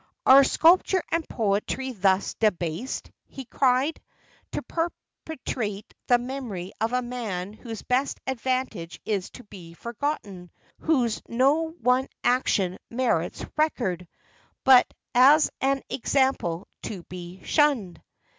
"Are sculpture and poetry thus debased," he cried, "to perpetuate the memory of a man whose best advantage is to be forgotten; whose no one action merits record, but as an example to be shunned?"